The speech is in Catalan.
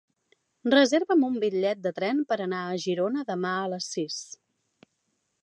Reserva'm un bitllet de tren per anar a Girona demà a les sis.